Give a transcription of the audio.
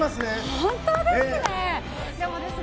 本当ですね。